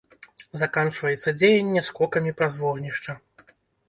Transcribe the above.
Заканчваецца дзеянне скокамі праз вогнішча.